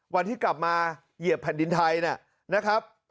วันที่กลับมาเหยียบแผ่นดินไทยนะครับ